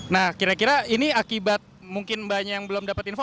nah kira kira ini akibat mungkin banyak yang belum dapat info